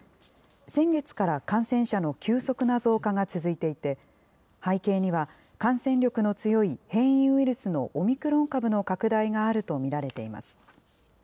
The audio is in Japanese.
先月から感染者の急速な増加が続いていて、背景には、感染力の強い変異ウイルスのオミクロン株の拡大があると見られています。